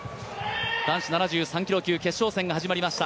男子７３キロ級決勝戦が始まりました。